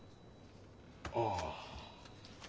ああ。